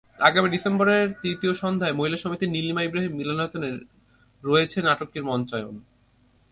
আগামী ডিসেম্বরের তৃতীয় সন্ধ্যায় মহিলা সমিতির নীলিমা ইব্রাহিম মিলনায়তনে রয়েছে নাটকটির মঞ্চায়ন।